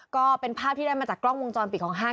ก็เป็นภาพที่ได้มาจากกล้องวงจรปิดของห้าง